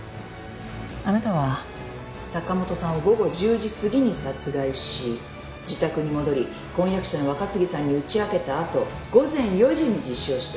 「あなたは坂本さんを午後１０時過ぎに殺害し自宅に戻り婚約者の若杉さんに打ち明けたあと午前４時に自首をした」